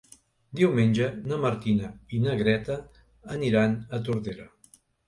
Diumenge na Martina i na Greta aniran a Tordera.